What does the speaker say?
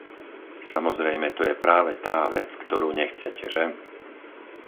Samozrejme to je práve tá vec, ktorú nechcete, že?